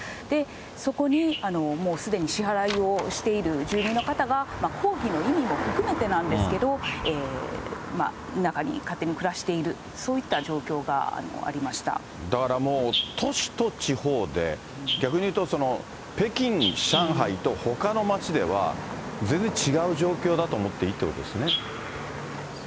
そこにもうすでに支払いをしている住民の方が、抗議の意味も含めてなんですけど、中に勝手に暮らしている、だからもう、都市と地方で、逆に言うと、北京、上海と、ほかの街では、全然違う状況だと思っていいっていうことなんですね。